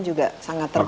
juga sangat terbatas